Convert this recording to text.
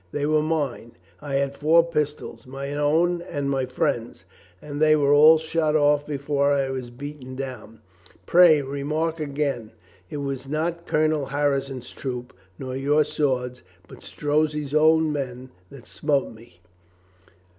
They were mine. I had four pistols, my own and my friend's, and they were all shot off before I was beaten down. Pray, remark again, it was not Colonel Harrison's troop, nor your swords, but Strozzi's own men, that smote me.